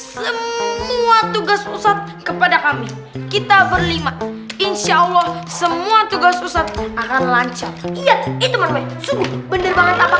semua tugas ustadz kepada kami kita berlima insya allah semua tugas ustadz akan lancar